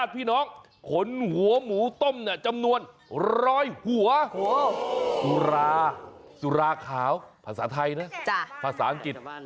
สุราสุราขาวภาษาไทยนะภาษาอังกฤษ